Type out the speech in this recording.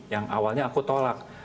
yang awalnya aku tolak